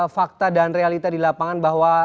fakta dan realita di lapangan bahwa